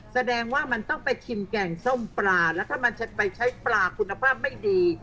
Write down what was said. แสดงว่ามันต้องไปชิมแกงส้มปลาแล้วถ้ามันจะไปใช้ปลาคุณภาพไม่ดี